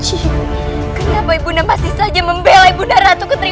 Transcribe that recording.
dia selalu dijalinkan oleh bapak ratu putri